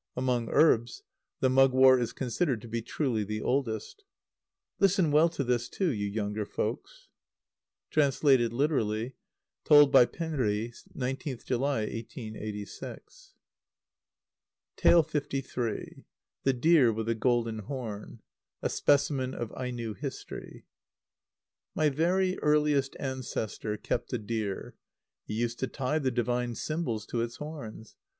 Among herbs, the mugwort is considered to be truly the oldest. Listen well to this, too, you younger folks! (Translated literally. Told by Penri, 19th July, 1886.) liii. The Deer with the Golden Horn. (A specimen of Aino history.) My very earliest ancestor kept a deer. He used to tie the divine symbols to its horns.